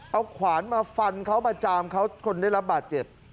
เอาขวานมาฟันเขามาจามเขาจนได้รับบาดเจ็บ